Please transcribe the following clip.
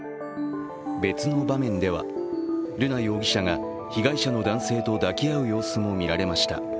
別の場面では、瑠奈容疑者が被害者の男性と抱き合う様子もみられました。